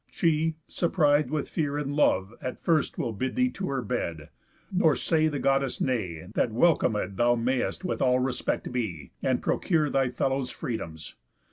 She, surpris'd with fear And love, at first, will bid thee to her bed. Nor say the Goddess nay, that welcoméd Thou may'st with all respect be, and procure Thy fellows' freedoms.